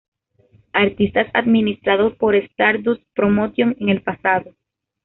Artistas, administrados por Stardust Promotion en el pasado.